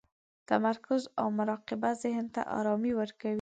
تمرکز او مراقبه ذهن ته ارامي ورکوي.